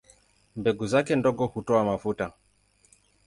Mbegu zake ndogo hutoa mafuta.